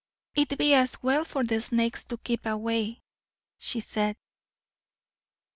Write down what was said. "It will be as well for the snakes to keep away," she said.